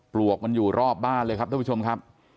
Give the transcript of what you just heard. ปลวกมันอยู่รอบบ้านเลยครับท่านผู้ชมครับ